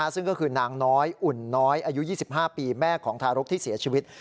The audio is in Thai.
ซึ่งก็คือนางน้อยอุ่นน้อยอายุ๒๕ปีแม่ของทารกที่เสียชีวิต